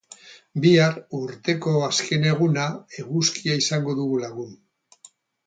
Bihar, urteko azken eguna, eguzkia izango dugu lagun.